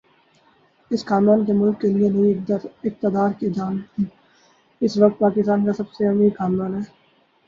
اس خاندان نے ملک کے لیے نہیں اقتدار کے لیے جان دی اس وقت پاکستان کا سب سے امیر خاندان ہے